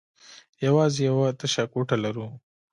يواځې يوه تشه کوټه لرو.